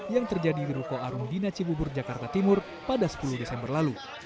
yang terjadi di ruko arung dina cibubur jakarta timur pada sepuluh desember lalu